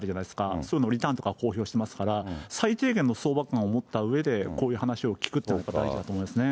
そういうのリターンとか公表していますから、最低限の相場観を持ったうえで、こういう話を聞くということが大事だと思いますね。